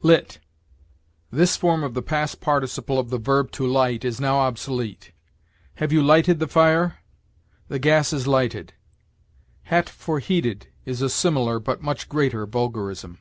LIT. This form of the past participle of the verb to light is now obsolete. "Have you lighted the fire?" "The gas is lighted." Het for heated is a similar, but much greater, vulgarism.